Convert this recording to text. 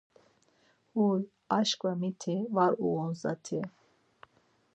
Huy aşǩva miti, var uğun zat̆i.